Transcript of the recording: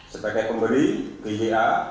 sebagai pemberi pha